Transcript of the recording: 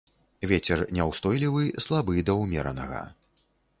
Вецер няўстойлівы слабы да ўмеранага.